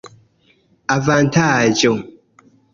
avantaĝo